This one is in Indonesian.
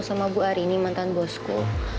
sama bu arini mantan bosku